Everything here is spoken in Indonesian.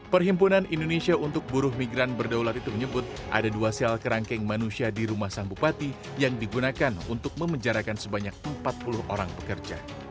perhimpunan indonesia untuk buruh migran berdaulat itu menyebut ada dua sel kerangkeng manusia di rumah sang bupati yang digunakan untuk memenjarakan sebanyak empat puluh orang pekerja